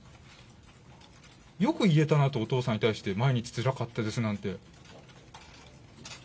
よく言えたなと、お義父さんに対して毎日つらかったですなんて。